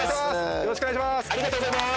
よろしくお願いします